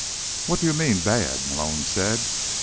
"What do you mean, bad?" Malone said.